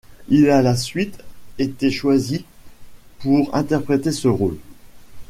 Il a la suite été choisi pour interpréter ce rôle.